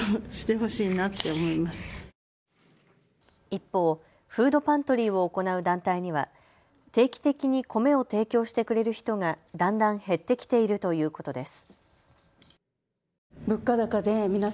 一方、フードパントリーを行う団体には定期的に米を提供してくれる人がだんだん減ってきているということです。